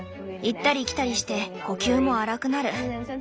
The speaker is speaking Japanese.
行ったり来たりして呼吸も荒くなる。